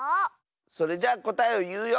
それじゃこたえをいうよ！